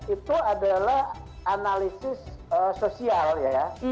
itu adalah analisis sosial ya